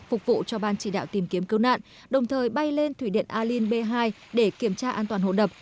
phục vụ cho ban chỉ đạo tìm kiếm cứu nạn đồng thời bay lên thủy điện alin b hai để kiểm tra an toàn hồ đập